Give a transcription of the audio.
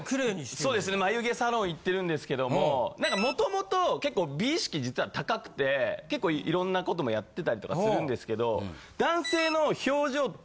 そうですね眉毛サロン行ってるんですけども何かもともと結構美意識実は高くて結構いろんなこともやってたりとかするんですけど。